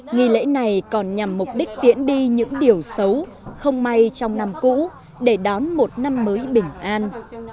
nghỉ lễ này còn nhằm mục đích tiễn đi những điều xấu không may trong năm cũ để đón một năm mới bình an